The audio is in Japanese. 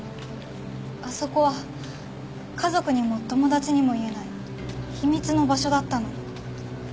あそこは家族にも友達にも言えない秘密の場所だったの。